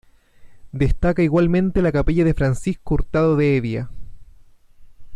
Destaca igualmente la capilla de Francisco Hurtado de Hevia.